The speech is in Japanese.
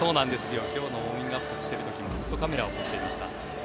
今日のウォーミングアップの時もずっとカメラをつけていました。